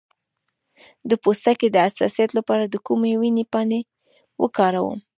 د پوستکي د حساسیت لپاره د کومې ونې پاڼې وکاروم؟